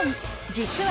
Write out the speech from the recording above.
実は